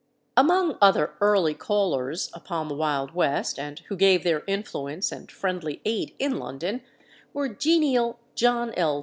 Among other early callers upon the Wild West, and who gave their influence and friendly aid in London, were genial John L.